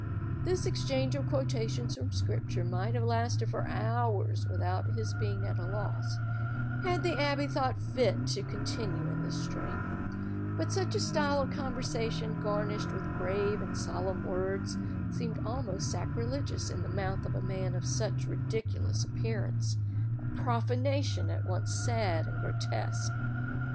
This exchange of quotations from Scripture might have lasted for hours without his being at a loss, had the abbe thought fit to continue in this strain; but such a style of conversation, garnished with grave and solemn words, seemed almost sacrilegious in the mouth of a man of such ridiculous appearance—a profanation at once sad and grotesque.